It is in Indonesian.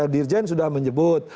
dirjen sudah menyebut